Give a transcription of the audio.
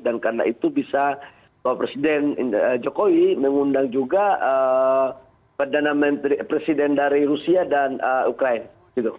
dan karena itu bisa bapak presiden jokowi mengundang juga presiden dari rusia dan ukraina